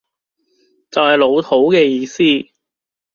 就係老土嘅意思